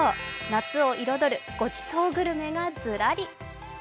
夏を彩るごちそうグルメがずらり。